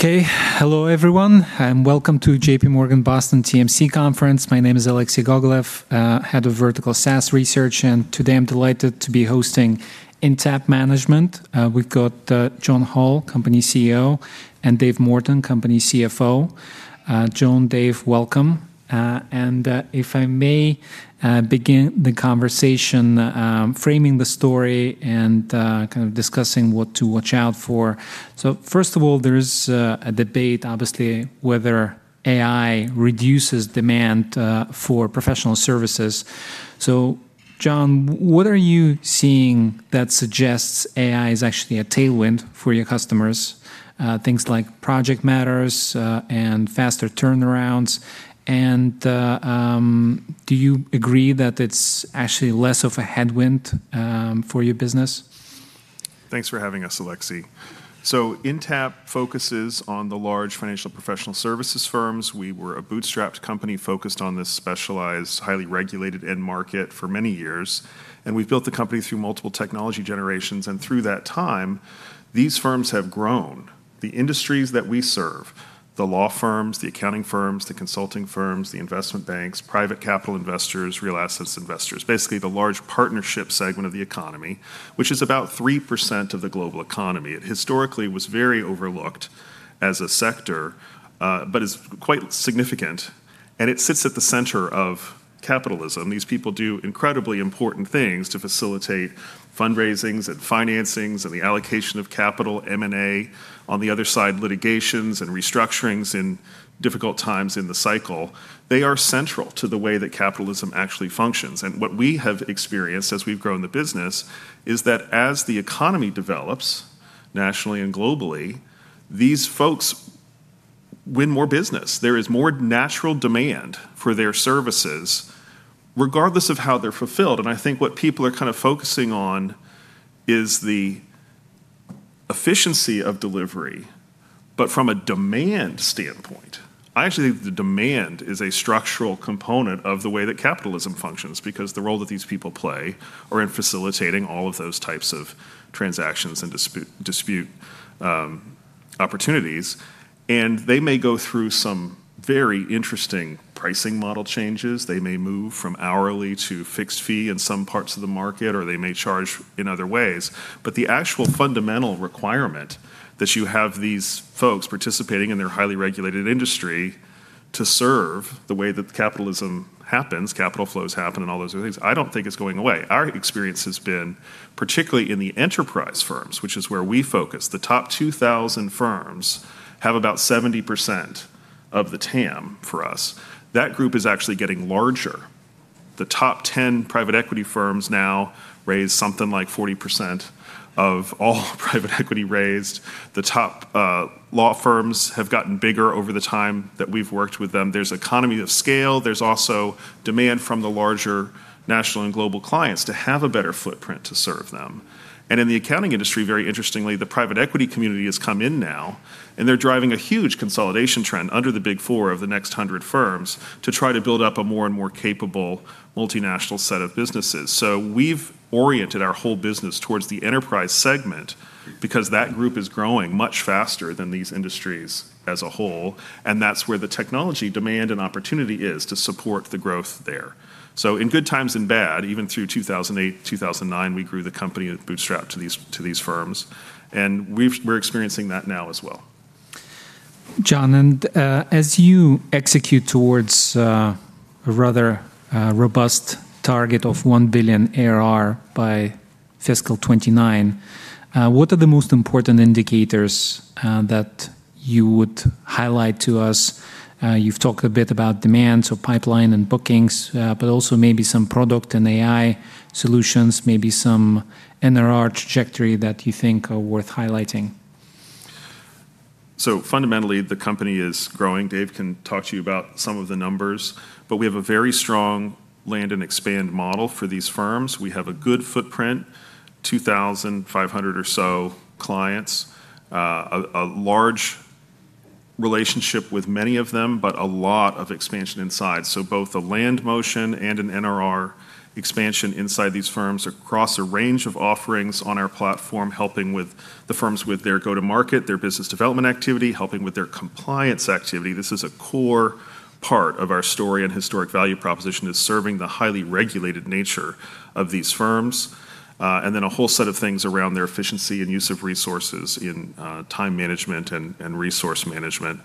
Hello everyone, welcome to JPMorgan Boston TMC Conference. My name is Alexei Gogolev, Head of Vertical SaaS Research. Today I'm delighted to be hosting Intapp Management. We've got John Hall, company CEO, and David Morton, company CFO. John, David, welcome. If I may begin the conversation, framing the story and kind of discussing what to watch out for. First of all, there is a debate obviously whether AI reduces demand for professional services. John, what are you seeing that suggests AI is actually a tailwind for your customers? Things like project matters, faster turnarounds and do you agree that it's actually less of a headwind for your business? Thanks for having us, Alexei. Intapp focuses on the large financial professional services firms. We were a bootstrapped company focused on this specialized, highly regulated end market for many years, and we've built the company through multiple technology generations. Through that time, these firms have grown. The industries that we serve, the law firms, the accounting firms, the consulting firms, the investment banks, private capital investors, real assets investors, basically the large partnership segment of the economy, which is about 3% of the global economy. It historically was very overlooked as a sector, but is quite significant and it sits at the center of capitalism. These people do incredibly important things to facilitate fundraisings and financings and the allocation of capital, M&A, on the other side, litigations and restructurings in difficult times in the cycle. They are central to the way that capitalism actually functions. What we have experienced as we've grown the business is that as the economy develops nationally and globally, these folks win more business. There is more natural demand for their services regardless of how they're fulfilled. I think what people are kind of focusing on is the efficiency of delivery. From a demand standpoint, I actually think the demand is a structural component of the way that capitalism functions because the role that these people play are in facilitating all of those types of transactions and dispute opportunities. They may go through some very interesting pricing model changes. They may move from hourly to fixed fee in some parts of the market, or they may charge in other ways. The actual fundamental requirement that you have these folks participating in their highly regulated industry to serve the way that capitalism happens, capital flows happen, and all those other things, I don't think it's going away. Our experience has been, particularly in the enterprise firms, which is where we focus, the top 2,000 firms have about 70% of the TAM for us. That group is actually getting larger. The top 10 private equity firms now raise something like 40% of all private equity raised. The top law firms have gotten bigger over the time that we've worked with them. There's economy of scale. There's also demand from the larger national and global clients to have a better footprint to serve them. In the accounting industry, very interestingly, the private equity community has come in now, and they're driving a huge consolidation trend under the Big Four of the next 100 firms to try to build up a more and more capable multinational set of businesses. We've oriented our whole business towards the enterprise segment because that group is growing much faster than these industries as a whole, and that's where the technology demand and opportunity is to support the growth there. In good times and bad, even through 2008, 2009, we grew the company and bootstrapped to these firms. We're experiencing that now as well. John, as you execute towards a rather robust target of $1 billion ARR by fiscal 2029, what are the most important indicators that you would highlight to us? You've talked a bit about demand, so pipeline and bookings, but also maybe some product and AI solutions, maybe some NRR trajectory that you think are worth highlighting. Fundamentally, the company is growing. David can talk to you about some of the numbers, but we have a very strong land and expand model for these firms. We have a good footprint, 2,500 or so clients, a large relationship with many of them, but a lot of expansion inside. Both a land motion and an NRR expansion inside these firms across a range of offerings on our platform, helping with the firms with their go-to-market, their business development activity, helping with their compliance activity. This is a core part of our story and historic value proposition is serving the highly regulated nature of these firms. And then a whole set of things around their efficiency and use of resources in time management and resource management.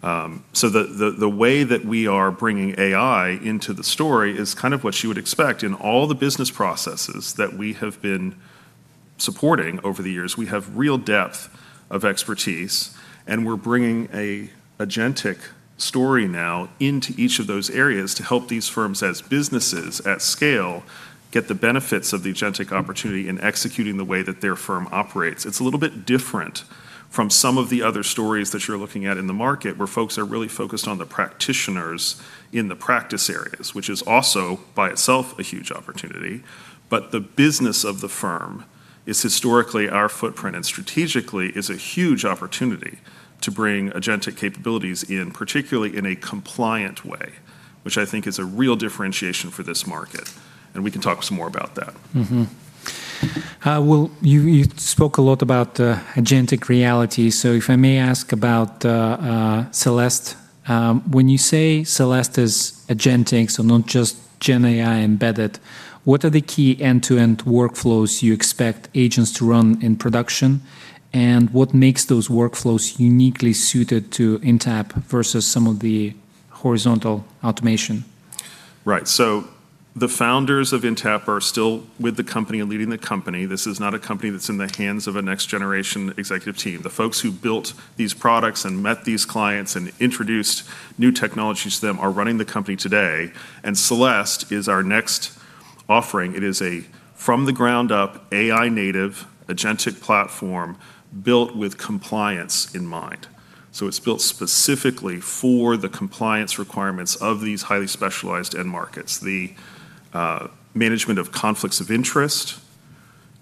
The, the way that we are bringing AI into the story is kind of what you would expect in all the business processes that we have been supporting over the years. We have real depth of expertise, and we're bringing a agentic story now into each of those areas to help these firms as businesses at scale get the benefits of the agentic opportunity in executing the way that their firm operates. It's a little bit different from some of the other stories that you're looking at in the market, where folks are really focused on the practitioners in the practice areas, which is also by itself a huge opportunity. The business of the firm is historically our footprint, and strategically is a huge opportunity to bring agentic capabilities in, particularly in a compliant way, which I think is a real differentiation for this market. We can talk some more about that. Well, you spoke a lot about agentic reality, so if I may ask about Celeste. When you say Celeste is agentic, so not just GenAI embedded, what are the key end-to-end workflows you expect agents to run in production? What makes those workflows uniquely suited to Intapp versus some of the horizontal automation? Right. The founders of Intapp are still with the company and leading the company. This is not a company that's in the hands of a next generation executive team. The folks who built these products and met these clients and introduced new technology to them are running the company today, and Celeste is our next offering. It is a from-the-ground-up, AI native, agentic platform built with compliance in mind. It's built specifically for the compliance requirements of these highly specialized end markets. The management of conflicts of interest,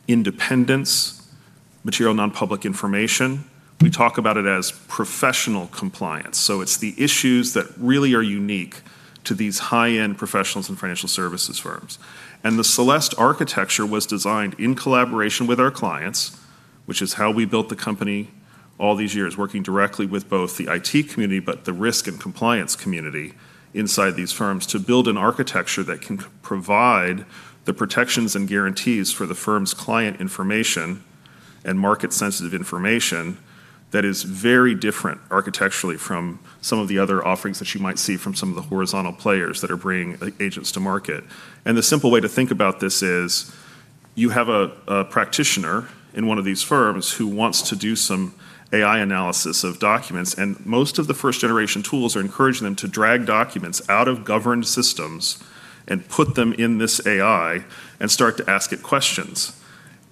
independence, material non-public information. We talk about it as professional compliance. It's the issues that really are unique to these high-end professionals and financial services firms. The Celeste architecture was designed in collaboration with our clients, which is how we built the company all these years, working directly with both the IT community, but the risk and compliance community inside these firms to build an architecture that can provide the protections and guarantees for the firm's client information and market-sensitive information that is very different architecturally from some of the other offerings that you might see from some of the horizontal players that are bringing agents to market. The simple way to think about this is you have a practitioner in one of these firms who wants to do some AI analysis of documents, and most of the first generation tools are encouraging them to drag documents out of governed systems and put them in this AI and start to ask it questions.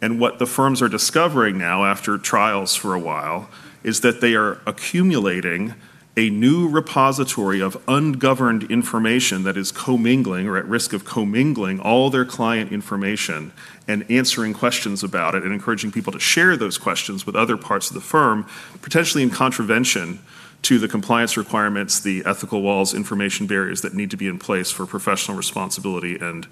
What the firms are discovering now after trials for a while, is that they are accumulating a new repository of ungoverned information that is commingling or at risk of commingling all their client information and answering questions about it and encouraging people to share those questions with other parts of the firm, potentially in contravention to the compliance requirements, the ethical walls, information barriers that need to be in place for professional responsibility and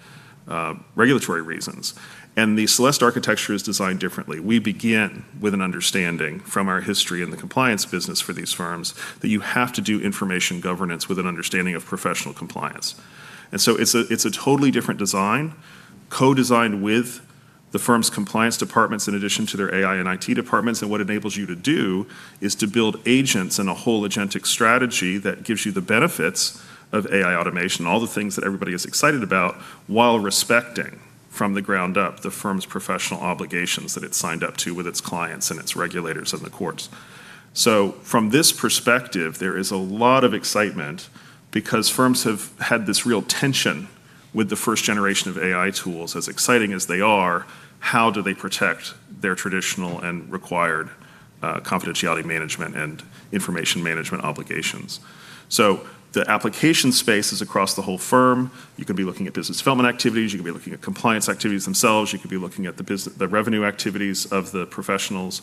regulatory reasons. The Celeste architecture is designed differently. We begin with an understanding from our history in the compliance business for these firms that you have to do information governance with an understanding of professional compliance. It's a totally different design, co-designed with the firm's compliance departments in addition to their AI and IT departments. What it enables you to do is to build agents and a whole agentic strategy that gives you the benefits of AI automation, all the things that everybody is excited about, while respecting from the ground up the firm's professional obligations that it's signed up to with its clients and its regulators and the courts. From this perspective, there is a lot of excitement because firms have had this real tension with the first generation of AI tools. As exciting as they are, how do they protect their traditional and required confidentiality management and information management obligations? The application space is across the whole firm. You could be looking at business development activities. You could be looking at compliance activities themselves. You could be looking at the revenue activities of the professionals.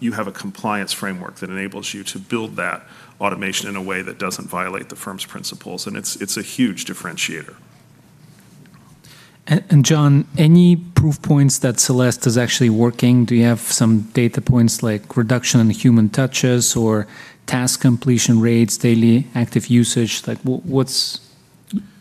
You have a compliance framework that enables you to build that automation in a way that doesn't violate the firm's principles, and it's a huge differentiator. John, any proof points that Celeste is actually working? Do you have some data points like reduction in human touches or task completion rates, daily active usage? Like, what's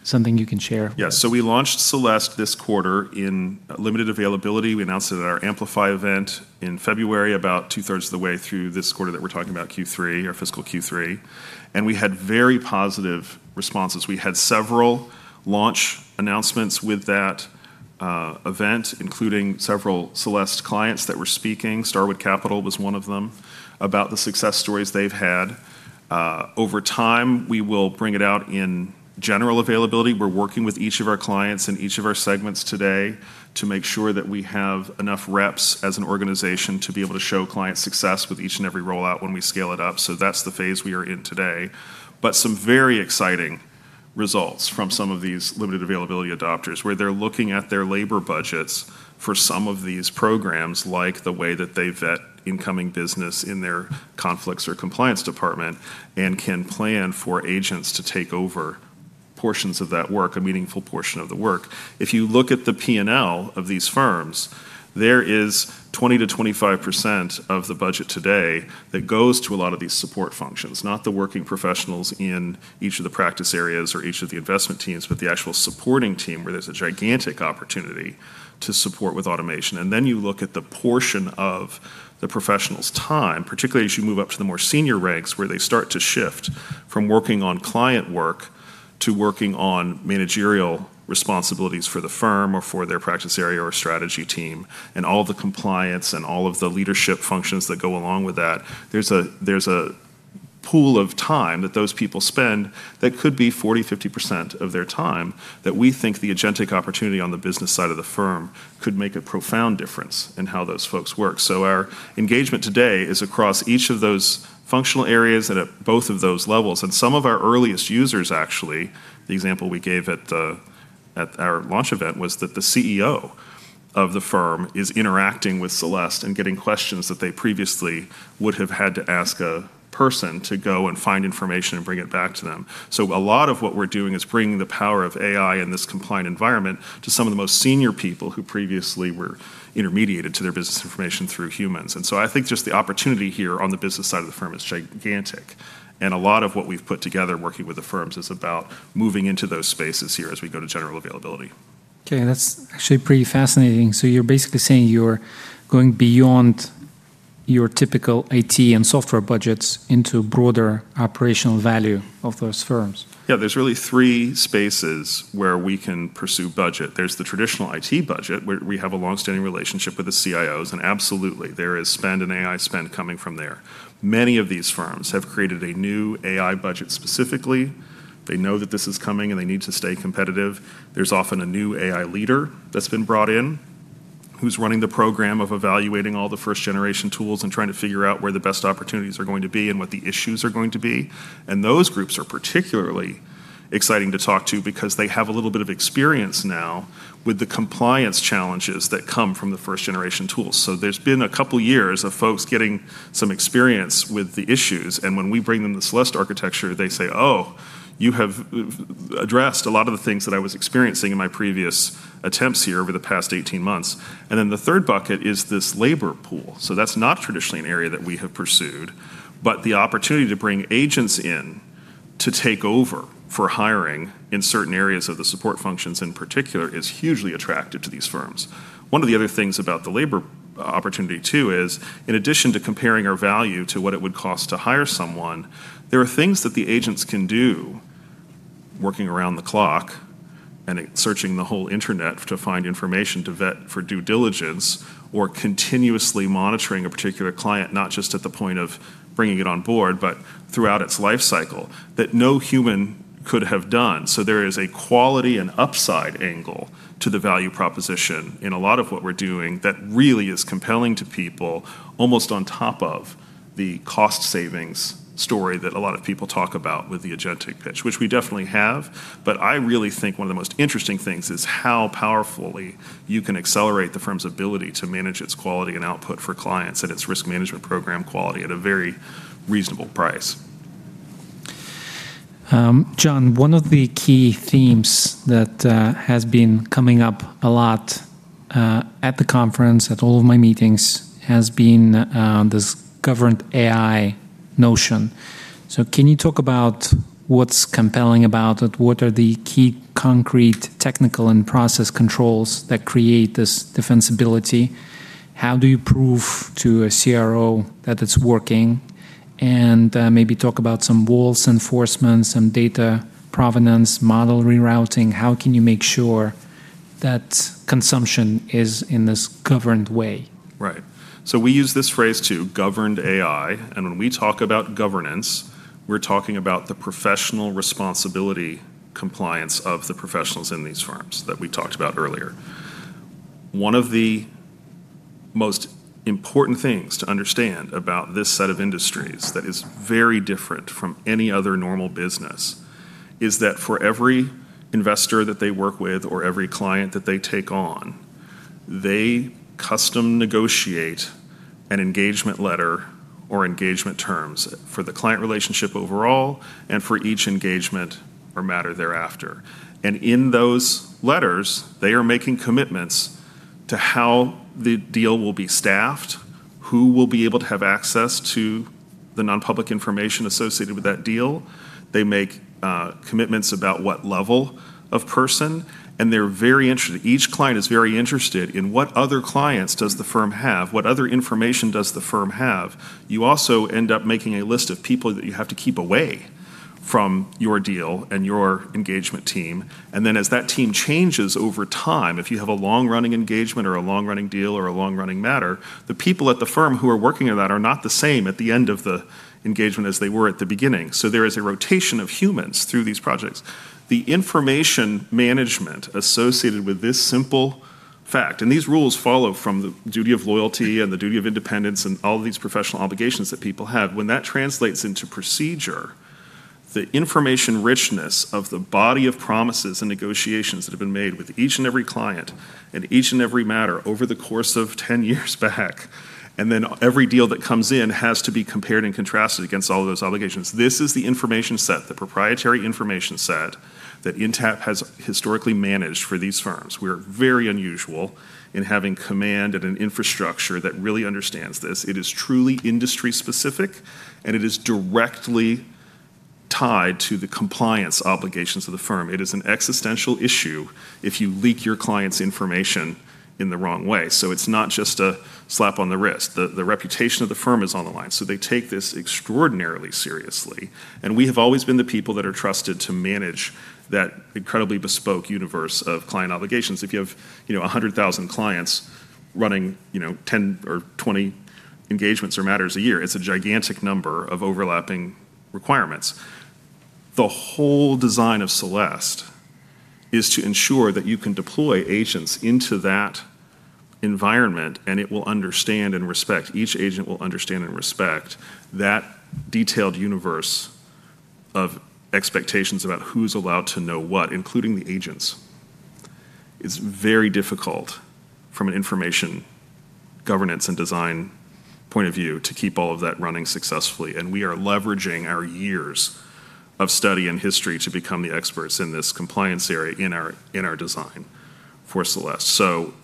something you can share? Yeah. We launched Celeste this quarter in limited availability. We announced it at our Amplify event in February, about 2/3 of the way through this quarter that we're talking about, Q3, our fiscal Q3. We had very positive responses. We had several launch announcements with that event, including several Celeste clients that were speaking, Starwood Capital was one of them, about the success stories they've had. Over time, we will bring it out in general availability. We're working with each of our clients in each of our segments today to make sure that we have enough reps as an organization to be able to show client success with each and every rollout when we scale it up. That's the phase we are in today. Some very exciting results from some of these limited availability adopters, where they're looking at their labor budgets for some of these programs, like the way that they vet incoming business in their conflicts or compliance department, and can plan for agents to take over portions of that work, a meaningful portion of the work. If you look at the P&L of these firms, there is 20%-25% of the budget today that goes to a lot of these support functions, not the working professionals in each of the practice areas or each of the investment teams, but the actual supporting team where there's a gigantic opportunity to support with automation. You look at the portion of the professional's time, particularly as you move up to the more senior ranks where they start to shift from working on client work to working on managerial responsibilities for the firm or for their practice area or strategy team and all the compliance and all of the leadership functions that go along with that. There's a pool of time that those people spend that could be 40%, 50% of their time that we think the agentic opportunity on the business side of the firm could make a profound difference in how those folks work. Our engagement today is across each of those functional areas and at both of those levels. Some of our earliest users actually, the example we gave at our launch event was that the CEO of the firm is interacting with Celeste and getting questions that they previously would have had to ask a person to go and find information and bring it back to them. A lot of what we're doing is bringing the power of AI in this compliant environment to some of the most senior people who previously were intermediated to their business information through humans. I think just the opportunity here on the business side of the firm is gigantic. A lot of what we've put together working with the firms is about moving into those spaces here as we go to general availability. Okay, that's actually pretty fascinating. You're basically saying you're going beyond your typical IT and software budgets into broader operational value of those firms. Yeah, there's really three spaces where we can pursue budget. There's the traditional IT budget, where we have a long-standing relationship with the CIOs. Absolutely, there is spend and AI spend coming from there. Many of these firms have created a new AI budget specifically. They know that this is coming and they need to stay competitive. There's often a new AI leader that's been brought in who's running the program of evaluating all the first-generation tools and trying to figure out where the best opportunities are going to be and what the issues are going to be. Those groups are particularly exciting to talk to because they have a little bit of experience now with the compliance challenges that come from the first-generation tools. There's been a couple years of folks getting some experience with the issues, and when we bring them the Celeste architecture, they say, "Oh, you have addressed a lot of the things that I was experiencing in my previous attempts here over the past 18 months." The third bucket is this labor pool. That's not traditionally an area that we have pursued, but the opportunity to bring agents in to take over for hiring in certain areas of the support functions in particular is hugely attractive to these firms. One of the other things about the labor opportunity too is, in addition to comparing our value to what it would cost to hire someone, there are things that the agents can do working around the clock and searching the whole internet to find information to vet for due diligence or continuously monitoring a particular client, not just at the point of bringing it on board, but throughout its life cycle, that no human could have done. There is a quality and upside angle to the value proposition in a lot of what we're doing that really is compelling to people almost on top of the cost savings story that a lot of people talk about with the agentic pitch, which we definitely have. I really think one of the most interesting things is how powerfully you can accelerate the firm's ability to manage its quality and output for clients and its risk management program quality at a very reasonable price. John, one of the key themes that has been coming up a lot at the conference, at all of my meetings, has been this governed AI notion. Can you talk about what's compelling about it? What are the key concrete technical and process controls that create this defensibility? How do you prove to a CRO that it's working? Maybe talk about some walls enforcement, some data provenance, model rerouting. How can you make sure that consumption is in this governed way? Right. We use this phrase too, governed AI, and when we talk about governance, we're talking about the professional responsibility compliance of the professionals in these firms that we talked about earlier. One of the most important things to understand about this set of industries that is very different from any other normal business is that for every investor that they work with or every client that they take on, they custom negotiate an engagement letter or engagement terms for the client relationship overall and for each engagement or matter thereafter. In those letters, they are making commitments to how the deal will be staffed, who will be able to have access to the non-public information associated with that deal. They make commitments about what level of person, each client is very interested in what other clients does the firm have, what other information does the firm have. You also end up making a list of people that you have to keep away from your deal and your engagement team. Then as that team changes over time, if you have a long-running engagement or a long-running deal or a long-running matter, the people at the firm who are working on that are not the same at the end of the engagement as they were at the beginning. There is a rotation of humans through these projects. The information management associated with this simple fact, and these rules follow from the duty of loyalty and the duty of independence and all these professional obligations that people have, when that translates into procedure, the information richness of the body of promises and negotiations that have been made with each and every client and each and every matter over the course of ten years back, and then every deal that comes in has to be compared and contrasted against all of those obligations. This is the information set, the proprietary information set, that Intapp has historically managed for these firms. We are very unusual in having command and an infrastructure that really understands this. It is truly industry-specific, and it is directly tied to the compliance obligations of the firm. It is an existential issue if you leak your client's information in the wrong way. It's not just a slap on the wrist. The reputation of the firm is on the line, so they take this extraordinarily seriously. We have always been the people that are trusted to manage that incredibly bespoke universe of client obligations. If you have, you know, 100,000 clients running, you know, 10 or 20 engagements or matters a year, it's a gigantic number of overlapping requirements. The whole design of Celeste is to ensure that you can deploy agents into that environment, and it will understand and respect. Each agent will understand and respect that detailed universe of expectations about who's allowed to know what, including the agents, is very difficult from an information governance and design point of view to keep all of that running successfully. We are leveraging our years of study and history to become the experts in this compliance area in our, in our design for Celeste.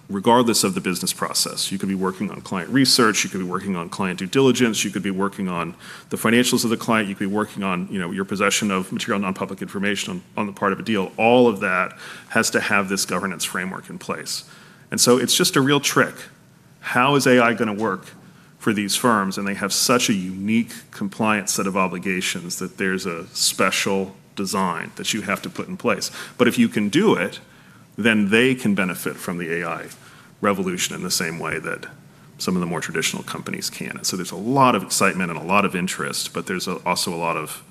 Regardless of the business process, you could be working on client research, you could be working on client due diligence, you could be working on the financials of the client, you could be working on, you know, your possession of material non-public information on the part of a deal. All of that has to have this governance framework in place. It's just a real trick. How is AI gonna work for these firms? They have such a unique compliance set of obligations that there's a special design that you have to put in place. If you can do it, then they can benefit from the AI revolution in the same way that some of the more traditional companies can. There's a lot of excitement and a lot of interest, but there's also a lot of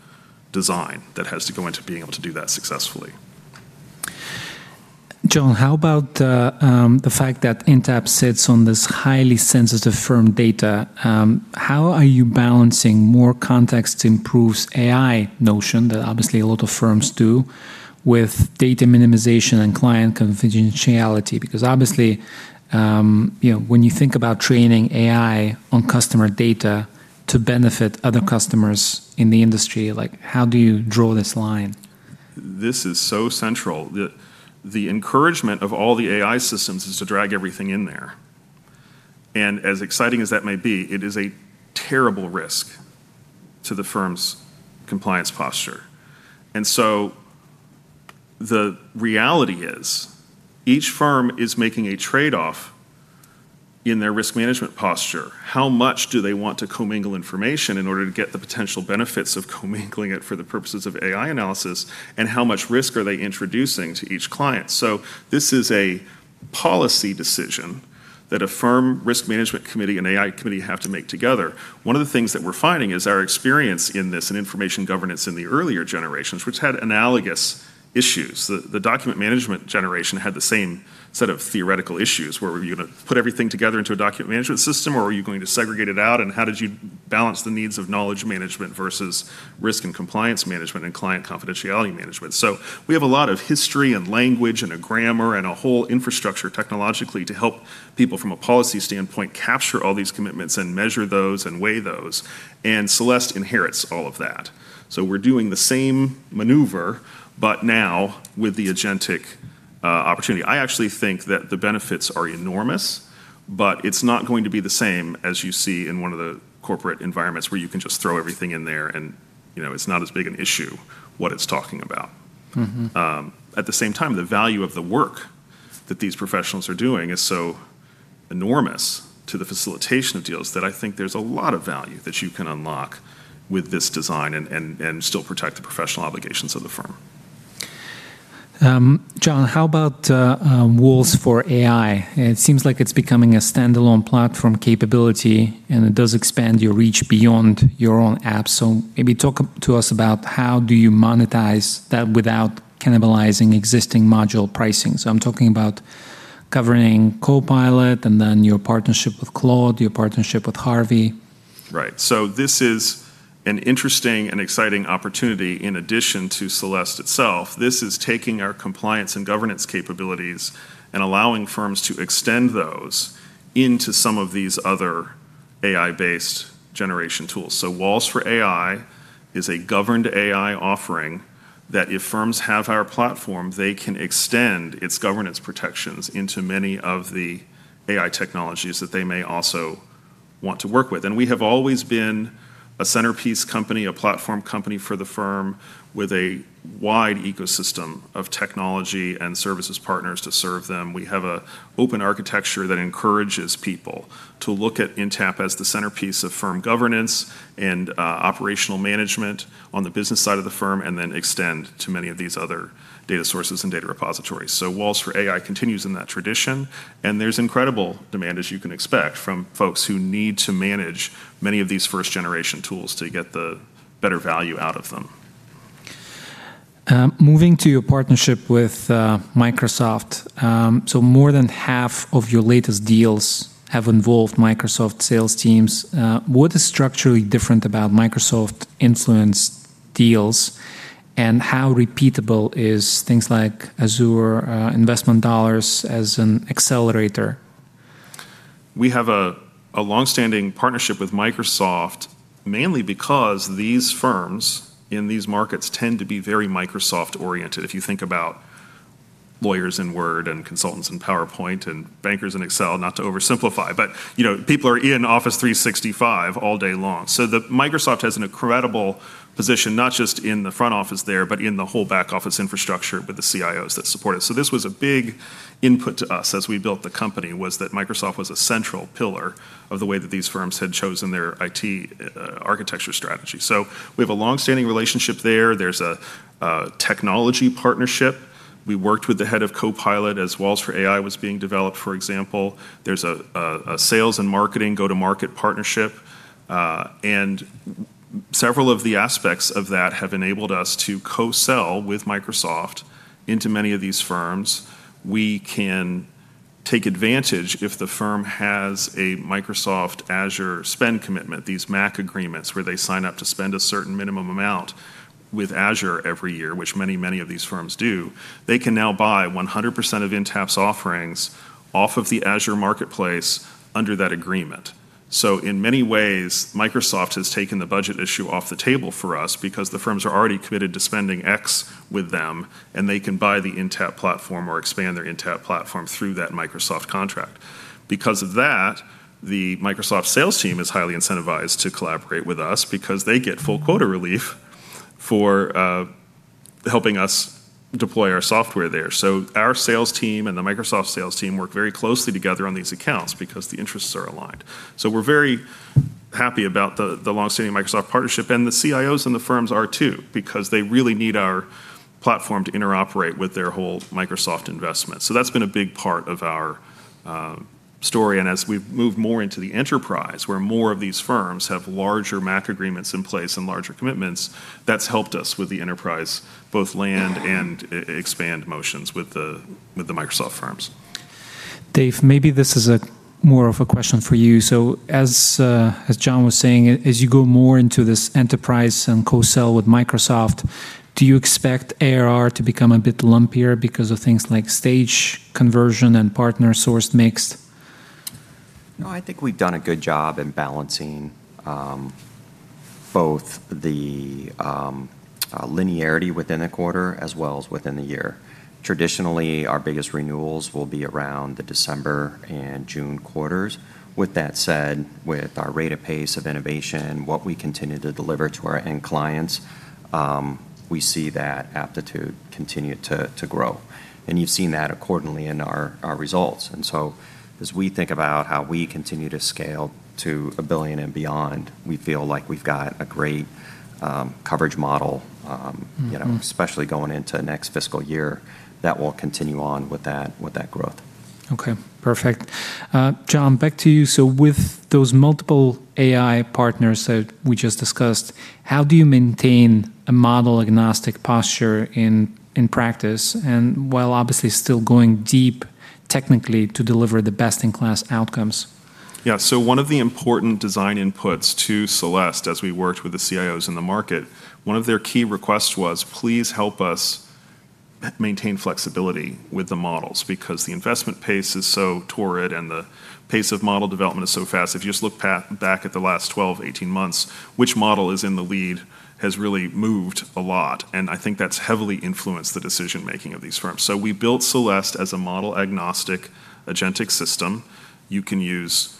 design that has to go into being able to do that successfully. John, how about, the fact that Intapp sits on this highly sensitive firm data? How are you balancing more context improves AI notion that obviously a lot of firms do with data minimization and client confidentiality? obviously, you know, when you think about training AI on customer data to benefit other customers in the industry, like, how do you draw this line? This is so central. The encouragement of all the AI systems is to drag everything in there. As exciting as that may be, it is a terrible risk to the firm's compliance posture. The reality is each firm is making a trade-off in their risk management posture. How much do they want to commingle information in order to get the potential benefits of commingling it for the purposes of AI analysis? How much risk are they introducing to each client? This is a policy decision that a firm risk management committee and AI committee have to make together. One of the things that we're finding is our experience in this and information governance in the earlier generations, which had analogous issues. The document management generation had the same set of theoretical issues, where were you gonna put everything together into a document management system, or were you going to segregate it out? How did you balance the needs of knowledge management versus risk and compliance management and client confidentiality management? We have a lot of history and language and a grammar and a whole infrastructure technologically to help people from a policy standpoint capture all these commitments and measure those and weigh those, and Celeste inherits all of that. We're doing the same maneuver, but now with the agentic opportunity. I actually think that the benefits are enormous, but it's not going to be the same as you see in one of the corporate environments where you can just throw everything in there and, you know, it's not as big an issue what it's talking about. At the same time, the value of the work that these professionals are doing is so enormous to the facilitation of deals that I think there's a lot of value that you can unlock with this design and still protect the professional obligations of the firm. John, how about Walls for AI? It seems like it's becoming a standalone platform capability, and it does expand your reach beyond your own app. Maybe talk to us about how do you monetize that without cannibalizing existing module pricing. I'm talking about covering Copilot and then your partnership with Claude, your partnership with Harvey. Right. This is an interesting and exciting opportunity in addition to Celeste itself. This is taking our compliance and governance capabilities and allowing firms to extend those into some of these other AI-based generation tools. Walls for AI is a governed AI offering that if firms have our platform, they can extend its governance protections into many of the AI technologies that they may also want to work with. We have always been a centerpiece company, a platform company for the firm with a wide ecosystem of technology and services partners to serve them. We have a open architecture that encourages people to look at Intapp as the centerpiece of firm governance and operational management on the business side of the firm and then extend to many of these other data sources and data repositories. Walls for AI continues in that tradition, and there's incredible demand, as you can expect, from folks who need to manage many of these first generation tools to get the better value out of them. Moving to your partnership with Microsoft, more than half of your latest deals have involved Microsoft sales teams. What is structurally different about Microsoft influence deals, and how repeatable is things like Azure investment dollars as an accelerator? We have a longstanding partnership with Microsoft mainly because these firms in these markets tend to be very Microsoft oriented. If you think about lawyers in Word and consultants in PowerPoint and bankers in Excel, not to oversimplify, but you know, people are in Office 365 all day long. Microsoft has an incredible position not just in the front office there, but in the whole back office infrastructure with the CIOs that support it. This was a big input to us as we built the company, was that Microsoft was a central pillar of the way that these firms had chosen their IT architecture strategy. We have a longstanding relationship there. There's a technology partnership. We worked with the head of Copilot as Walls for AI was being developed, for example. There's a sales and marketing go-to-market partnership. Several of the aspects of that have enabled us to co-sell with Microsoft into many of these firms. Take advantage if the firm has a Microsoft Azure spend commitment, these MACC agreements where they sign up to spend a certain minimum amount with Azure every year, which many of these firms do. They can now buy 100% of Intapp's offerings off of the Azure Marketplace under that agreement. In many ways, Microsoft has taken the budget issue off the table for us because the firms are already committed to spending X with them, and they can buy the Intapp platform or expand their Intapp platform through that Microsoft contract. Because of that, the Microsoft sales team is highly incentivized to collaborate with us because they get full quota relief for helping us deploy our software there. Our sales team and the Microsoft sales team work very closely together on these accounts because the interests are aligned. We're very happy about the long-standing Microsoft partnership, and the CIOs and the firms are too because they really need our platform to interoperate with their whole Microsoft investment. That's been a big part of our story. As we've moved more into the enterprise where more of these firms have larger MACC agreements in place and larger commitments, that's helped us with the enterprise both land and expand motions with the Microsoft firms. David, maybe this is a more of a question for you. As John was saying, as you go more into this enterprise and co-sell with Microsoft, do you expect ARR to become a bit lumpier because of things like stage conversion and partner source mix? I think we've done a good job in balancing both the linearity within a quarter as well as within the year. Traditionally, our biggest renewals will be around the December and June quarters. With that said, with our rate of pace of innovation, what we continue to deliver to our end clients, we see that aptitude continue to grow. You've seen that accordingly in our results. As we think about how we continue to scale to $1 billion and beyond, we feel like we've got a great coverage model. You know, especially going into next fiscal year that will continue on with that growth. Okay. Perfect. John, back to you. With those multiple AI partners that we just discussed, how do you maintain a model-agnostic posture in practice and while obviously still going deep technically to deliver the best-in-class outcomes? One of the important design inputs to Celeste as we worked with the CIOs in the market, one of their key requests was, "Please help us maintain flexibility with the models," because the investment pace is so torrid and the pace of model development is so fast. If you just look back at the last 12, 18 months, which model is in the lead has really moved a lot, and I think that's heavily influenced the decision-making of these firms. We built Celeste as a model-agnostic agentic system. You can use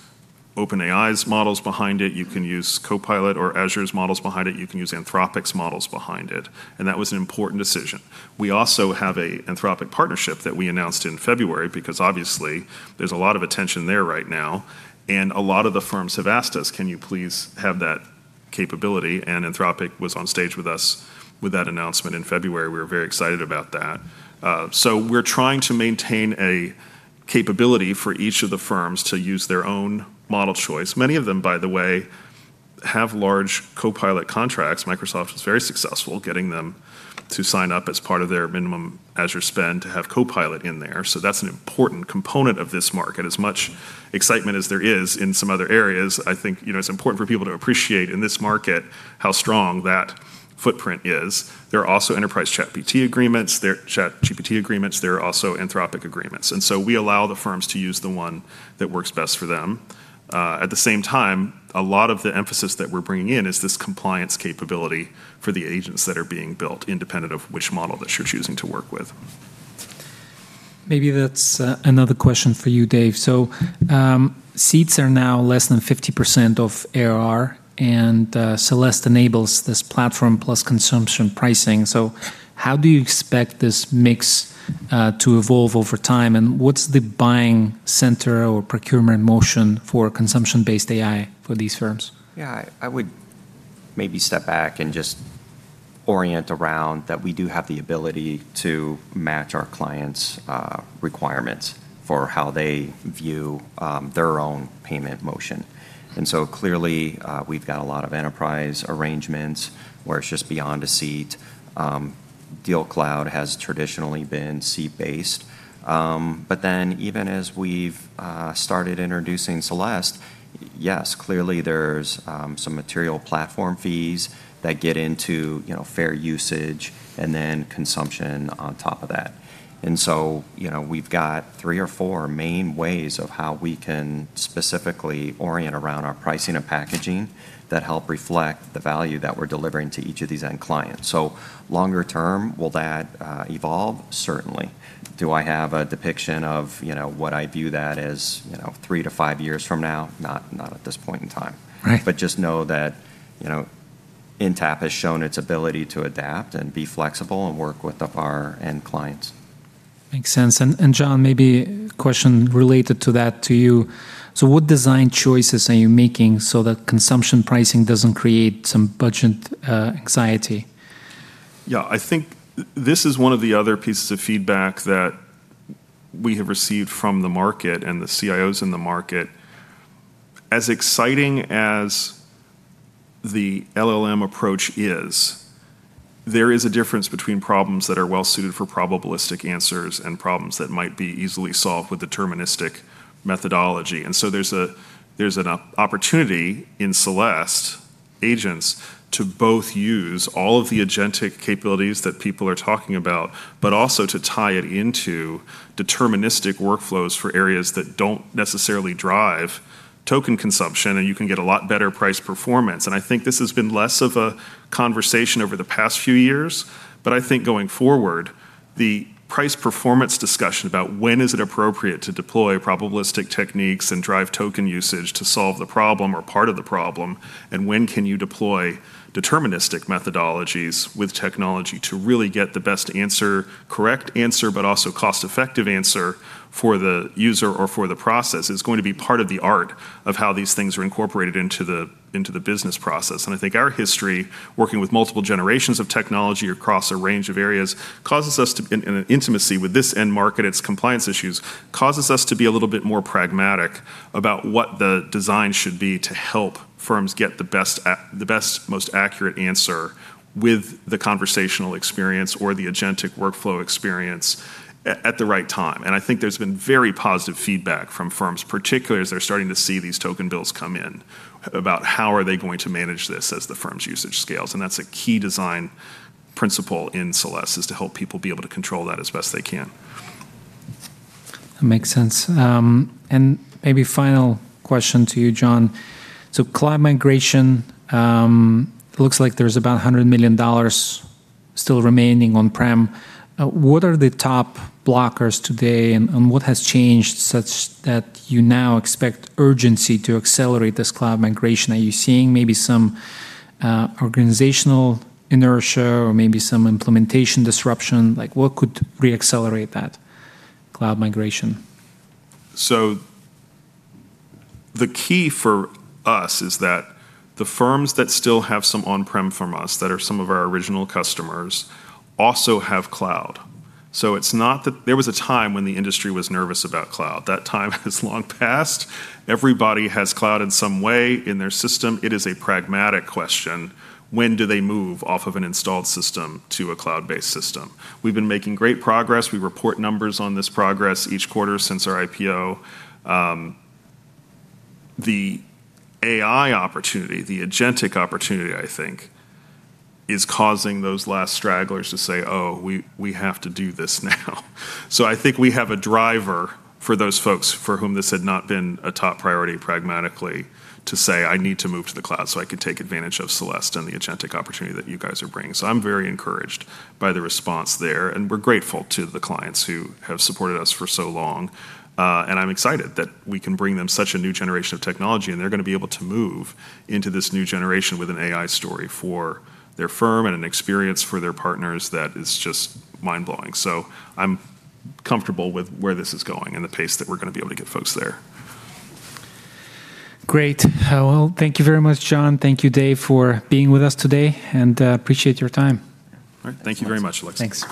OpenAI's models behind it, you can use Copilot or Azure's models behind it, you can use Anthropic's models behind it, that was an important decision. We also have a Anthropic partnership that we announced in February because obviously there's a lot of attention there right now. A lot of the firms have asked us, "Can you please have that capability?" Anthropic was on stage with us with that announcement in February. We were very excited about that. We're trying to maintain a capability for each of the firms to use their own model choice. Many of them, by the way, have large Copilot contracts. Microsoft was very successful getting them to sign up as part of their minimum Azure spend to have Copilot in there. That's an important component of this market. As much excitement as there is in some other areas, I think, you know, it's important for people to appreciate in this market how strong that footprint is. There are also enterprise ChatGPT agreements. There are ChatGPT agreements. There are also Anthropic agreements. We allow the firms to use the one that works best for them. At the same time, a lot of the emphasis that we're bringing in is this compliance capability for the agents that are being built independent of which model that you're choosing to work with. Maybe that's another question for you, David. Seats are now less than 50% of ARR, and Celeste enables this platform plus consumption pricing. How do you expect this mix to evolve over time, and what's the buying center or procurement motion for consumption-based AI for these firms? Yeah. I would maybe step back and just orient around that we do have the ability to match our clients' requirements for how they view their own payment motion. Clearly, we've got a lot of enterprise arrangements where it's just beyond a seat. DealCloud has traditionally been seat-based. Even as we've started introducing Celeste, yes, clearly there's some material platform fees that get into, you know, fair usage and then consumption on top of that. You know, we've got three or four main ways of how we can specifically orient around our pricing and packaging that help reflect the value that we're delivering to each of these end clients. Longer term, will that evolve? Certainly. Do I have a depiction of, you know, what I view that as, you know, three to five years from now? Not at this point in time. Right. Just know that, you know, Intapp has shown its ability to adapt and be flexible and work with our end clients. Makes sense. John, maybe question related to that to you. What design choices are you making so that consumption pricing doesn't create some budget anxiety? Yeah. I think this is one of the other pieces of feedback that we have received from the market and the CIOs in the market. As exciting as the LLM approach is, there is a difference between problems that are well suited for probabilistic answers and problems that might be easily solved with deterministic methodology. There's an opportunity in Celeste agents to both use all of the agentic capabilities that people are talking about, but also to tie it into deterministic workflows for areas that don't necessarily drive token consumption, and you can get a lot better price performance. I think this has been less of a conversation over the past few years, but I think going forward, the price performance discussion about when is it appropriate to deploy probabilistic techniques and drive token usage to solve the problem or part of the problem, and when can you deploy deterministic methodologies with technology to really get the best answer, correct answer, but also cost-effective answer for the user or for the process, is going to be part of the art of how these things are incorporated into the business process. I think our history working with multiple generations of technology across a range of areas, and an intimacy with this end market, its compliance issues, causes us to be a little bit more pragmatic about what the design should be to help firms get the best, most accurate answer with the conversational experience or the agentic workflow experience at the right time. I think there's been very positive feedback from firms, particularly as they're starting to see these token bills come in, about how are they going to manage this as the firm's usage scales. That's a key design principle in Celeste, is to help people be able to control that as best they can. That makes sense. Maybe a final question to you, John? Cloud migration, looks like there's about $100 million still remaining on-prem. What are the top blockers today, and what has changed such that you now expect urgency to accelerate this cloud migration? Are you seeing maybe some organizational inertia or maybe some implementation disruption? What could re-accelerate that cloud migration? The key for us is that the firms that still have some on-prem from us, that are some of our original customers, also have cloud. It's not that there was a time when the industry was nervous about cloud. That time is long past. Everybody has cloud in some way in their system. It is a pragmatic question, when do they move off of an installed system to a cloud-based system? We've been making great progress. We report numbers on this progress each quarter since our IPO. The AI opportunity, the agentic opportunity, I think, is causing those last stragglers to say, "Oh, we have to do this now." I think we have a driver for those folks for whom this had not been a top priority pragmatically to say, "I need to move to the cloud so I can take advantage of Celeste and the agentic opportunity that you guys are bringing." I'm very encouraged by the response there, and we're grateful to the clients who have supported us for so long. I'm excited that we can bring them such a new generation of technology, and they're gonna be able to move into this new generation with an AI story for their firm and an experience for their partners that is just mind-blowing. I'm comfortable with where this is going and the pace that we're gonna be able to get folks there. Great. Well, thank you very much, John. Thank you, David, for being with us today, and appreciate your time. All right. Thank you very much, Alexei.